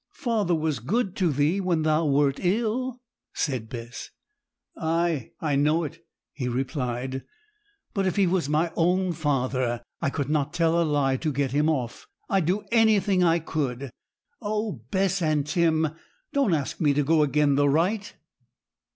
'Father was good to thee when thou wert ill,' said Bess. 'Ay, I know it,' he replied; 'but if he was my own father, I could not tell a lie to get him off. I'd do anything I could. Oh, Bess and Tim, don't ask me to go agen the right!'